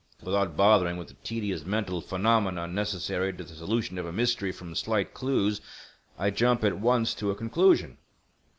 Without bothering with the tedious mental phenomena necessary to the solution of a mystery from slight clues, I jump at once to a conclusion.